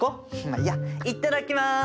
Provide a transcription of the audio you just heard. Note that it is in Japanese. まあいいやいただきます！